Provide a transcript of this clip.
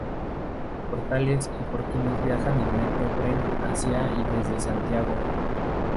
Portales y por quienes viajan en metro-tren hacia y desde santiago.